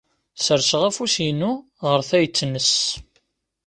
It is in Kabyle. Sserseɣ afus-inu ɣef tayet-nnes.